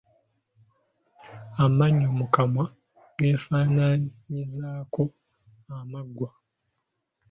Amannyo mu kamwa geefaanaanyirizaako amaggwa.